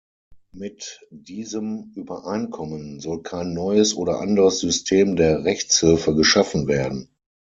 Mit diesem Übereinkommen soll kein neues oder anderes System der Rechtshilfe geschaffen werden.